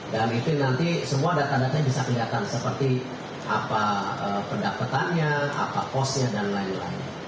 dan itu nanti semua data datanya bisa dilihatkan seperti apa pendapatannya apa posnya dan lain lain